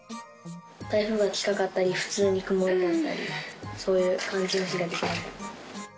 台風が近かったり、普通に曇りだったり、そういう日はできなかった。